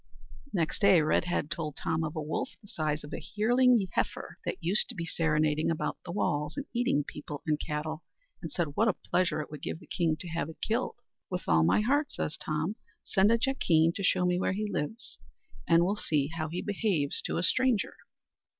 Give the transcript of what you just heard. Next day, Redhead told Tom of a wolf, the size of a yearling heifer, that used to be serenading about the walls, and eating people and cattle; and said what a pleasure it would give the king to have it killed. "With all my heart," says Tom; "send a jackeen to show me where he lives, and we'll see how he behaves to a stranger."